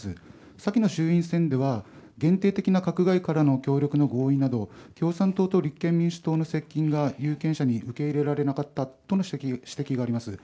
先の衆院選では、限定的な閣外からの協力の同意など、共産党と立憲民主党の接近が有権者に受け入れられなかったとの指摘があります。